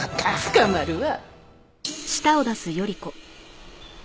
捕まるわ！